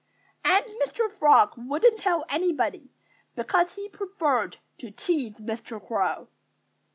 And Mr. Frog wouldn't tell anybody, because he preferred to tease Mr. Crow.